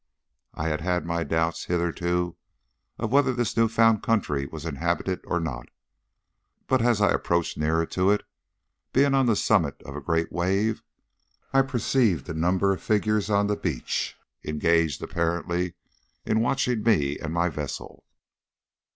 "I had had my doubts hitherto as to whether this new found country was inhabited or no, but as I approached nearer to it, being on the summit of a great wave, I perceived a number of figures on the beach, engaged apparently in watching me and my vessel.